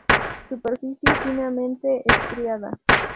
Superficie finamente estriada.